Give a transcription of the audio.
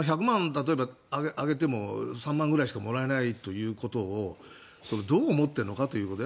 例えばあげても３万くらいしかもらえないということをどう思っているのかということ。